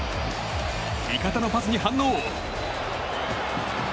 味方のパスに反応。